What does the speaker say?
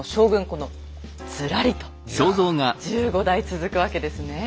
このずらりと１５代続くわけですねえ。